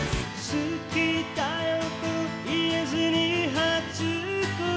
「好きだよと言えずに初恋は」